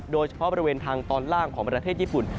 โดยเฉพาะบริเวณทางตอนล่างของประเทศญี่ปุ่น